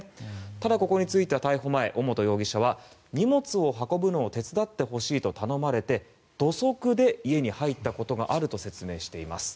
ただ、ここについては逮捕前、尾本容疑者は荷物を運ぶのを手伝ってほしいと頼まれて土足で家に入ったことがあると説明しています。